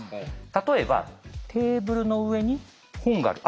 例えばテーブルの上に本がある。